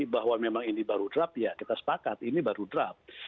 bahwa memang ini baru draft ya kita sepakat ini baru draft